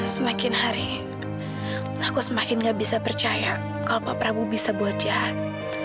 semakin hari aku semakin gak bisa percaya kalau pak prabowo bisa buat jahat